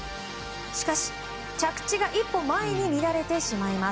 しかし着地が１歩前に乱れてしまいます。